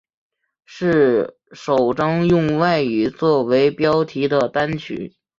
是首张用外语作为标题的单曲。